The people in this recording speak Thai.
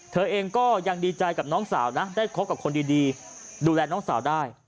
เธอเองก็ยังดีใจกับน้องสาวนะได้คบกับคนดีดูแลน้องสาวได้